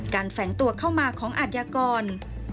แฝงตัวเข้ามาของอาทยากร